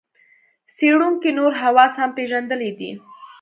څېړونکو نور حواس هم پېژندلي دي.